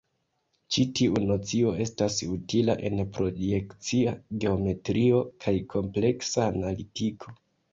Ĉi tiu nocio estas utila en projekcia geometrio kaj kompleksa analitiko.